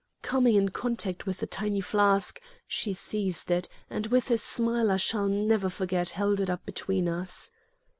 Coming in contact with the tiny flask, she seized it, and with a smile I shall never forget held it up between us.